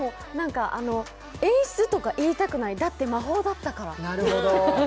演出とか言いたくない、だって魔法だったから。